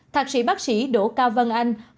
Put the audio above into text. thạc sĩ bác sĩ đỗ cao vân anh nói